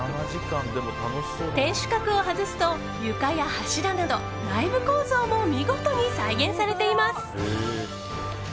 天守閣を外すと床や柱など内部構造も見事に再現されています。